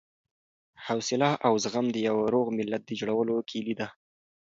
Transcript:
حوصله او زغم د یوه روغ ملت د جوړولو کیلي ده.